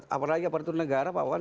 apalagi aparatur negara pak wawan